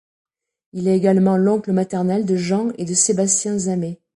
Il est également l'oncle maternel de Jean et de Sébastien Zamet.